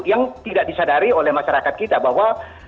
yang tidak disadari oleh masyarakat kita bahwa